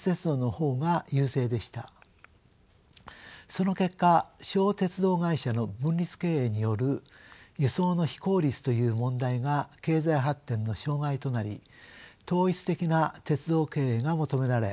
その結果小鉄道会社の分立経営による輸送の非効率という問題が経済発展の障害となり統一的な鉄道経営が求められ